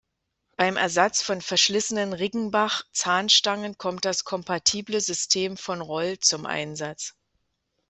Beim Ersatz von verschlissenen Riggenbach-Zahnstangen kommt das kompatible System Von Roll zum Einsatz.